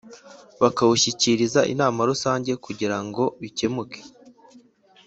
Bukawushyikiriza inama rusange kugira ngo bikemuke